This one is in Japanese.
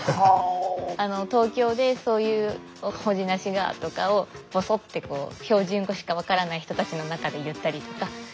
東京でそういう「ほじなしが」とかをぼそって標準語しか分からない人たちの中で言ったりとか。